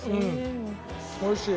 おいしい！